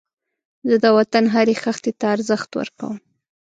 زه د وطن هرې خښتې ته ارزښت ورکوم